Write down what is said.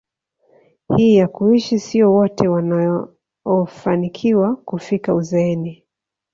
hii ya kuishi sio wote wanaofanikiwa kufika uzeeni